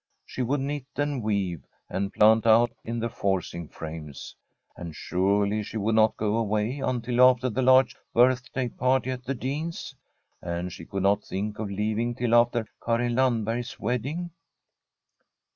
She would knit and weave, and plant out in the forcing frames. And surely she would not go away until after the large birthday party at the Dean's ? And she could not think of leaving till after Karin Land berg's wedding.